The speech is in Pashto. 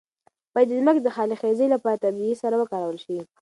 باید د ځمکې د حاصلخیزۍ لپاره طبیعي سره وکارول شي.